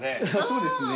そうですね。